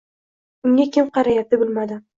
Unga kim qarayapti, bilmadim